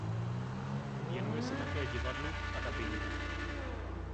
Věnuje se také divadlu a dabingu.